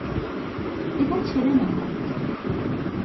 এটা ছেড়ে নামো!